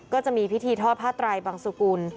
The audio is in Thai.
ก็จะมีพิธีทอดพระตรายบางสกุล